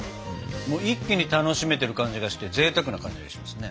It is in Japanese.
一気に楽しめてる感じがしてぜいたくな感じがしますね。